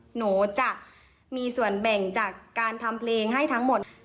หนูจะมีส่วนแบ่งจากการทำเพลงให้ทั้งหมด